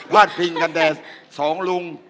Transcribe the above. ภาดพิงตั้งแต่สองลุง